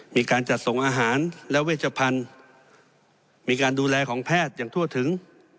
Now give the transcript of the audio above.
มีการจัดส่งอาหารและเวชพันธุ์มีการดูแลของแพทย์อย่างทั่วถึง